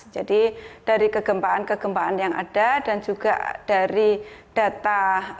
jadi dari kegembaan kegembaan yang ada dan juga dari data